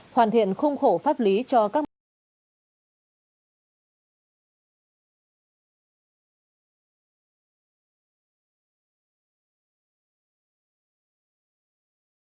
hoàn thiện khung khổ pháp lý cho các môi trường